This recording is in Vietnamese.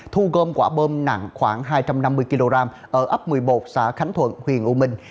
thu gom quả bom nặng khoảng hai trăm năm mươi kg ở ấp một mươi một xã khánh thuận huyện u minh